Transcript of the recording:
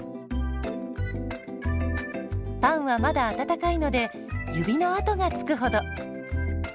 パンはまだ温かいので指の跡がつくほど。